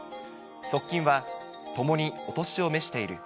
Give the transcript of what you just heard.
側近は、ともにお年を召している。